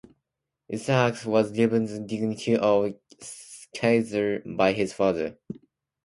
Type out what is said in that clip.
Isaac was given the dignity of "Caesar" by his father.